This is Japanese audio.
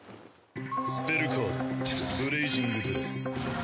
スペルカードブレイジングブレス。